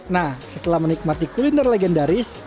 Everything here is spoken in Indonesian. nah setelah menikmati kuliner legendaris